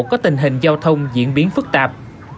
có tình hình giao thông diễn biến phức tạp